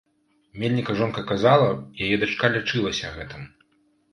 Мельніка жонка казала, яе дачка лячылася гэтым.